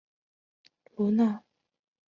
卢娜也常常和狄安娜或赫卡忒混淆在一起。